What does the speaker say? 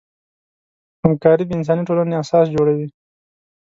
همکاري د انساني ټولنې اساس جوړوي.